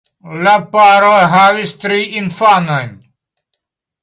La paro havis tri infanojn.